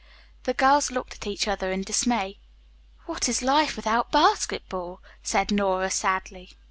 The girls looked at each other in dismay. "What is life without basketball?" said Nora sadly.